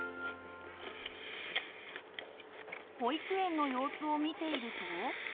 保育園の様子を見ていると。